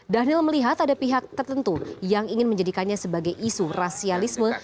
dhanil melihat ada pihak tertentu yang ingin menjadikannya sebagai isu rasialisme